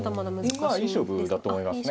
まあいい勝負だと思いますね。